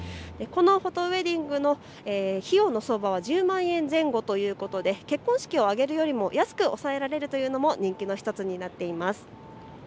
このフォトウエディングの費用の相場は１０万円前後ということで結婚式を挙げるよりも安く抑えられるのも人気の理由の１つとなっています。